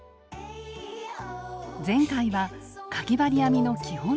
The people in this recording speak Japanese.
前回はかぎ針編みの基本